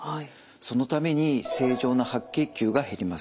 そのために正常な白血球が減ります。